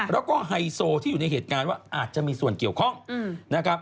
และให้โซที่อยู่ในเหตุการณ์อาจจะมีส่วนเกี่ยวข้อม